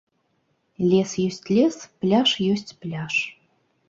Лес ёсць лес, пляж ёсць пляж.